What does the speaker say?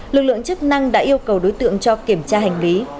lực lượng chức năng đã yêu cầu đối tượng cho kiểm tra hành lý